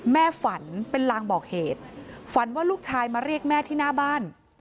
ฝันเป็นลางบอกเหตุฝันว่าลูกชายมาเรียกแม่ที่หน้าบ้าน